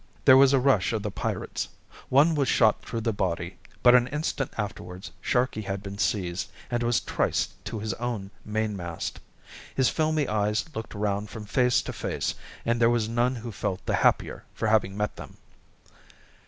There was a rush of the pirates. One was shot through the body, but an instant afterwards Sharkey had been seized and was triced to his own mainmast. His filmy eyes looked round from face to face, and there was none who felt the happier for having met them.